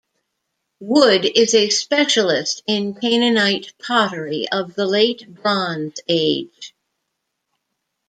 Wood is a specialist in Canaanite pottery of the Late Bronze Age.